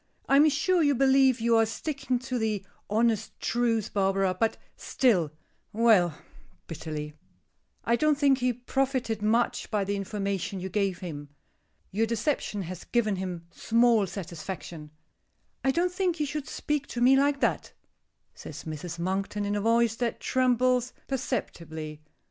I am sure you believe you are sticking to the honest truth, Barbara, but still Well," bitterly, "I don't think he profited much by the information you gave him. Your deception has given him small satisfaction." "I don't think you should speak to me like that," says Mrs. Monkton, in a voice that trembles perceptibly.